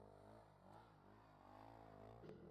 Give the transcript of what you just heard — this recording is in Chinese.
他被控欺诈破产并被通缉。